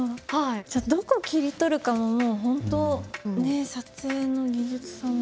じゃあどこ切り取るかももう本当ね撮影の技術さんの。